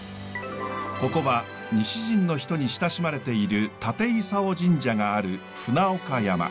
ここは西陣の人に親しまれている建勲神社がある船岡山。